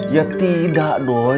ya tidak doi